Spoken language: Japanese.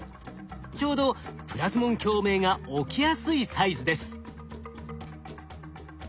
ちょうどプラズモン共鳴が起きやすいサイズです。